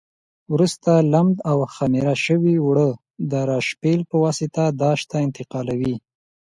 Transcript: وروسته لمد او خمېره شوي اوړه د راشپېل په واسطه داش ته انتقالوي.